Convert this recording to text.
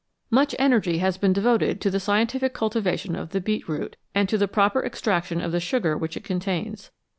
Much energy has been devoted to the scientific cultivation of the beetroot, and to the proper extraction of the sugar which it contains.